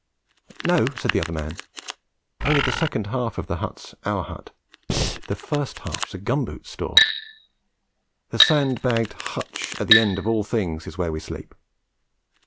'No,' said the other man, 'only the second half of the hut's our hut. This first half's a gum boot store. The sand bagged hutch at the end of all things is where we sleep.'